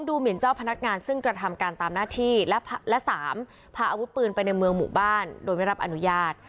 หมินเจ้าพนักงานซึ่งกระทำการตามหน้าที่และ๓พาอาวุธปืนไปในเมืองหมู่บ้านโดยไม่รับอนุญาต